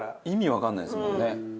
意味わかんないですもんね。